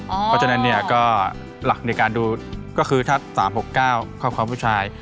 เพราะฉะนั้นเนี่ยก็หลักในการดูก็คือถ้าสามหกเก้าข้อความผู้ชาย